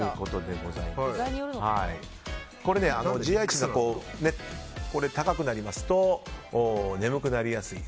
ＧＩ値が高くなりますと眠くなりやすい。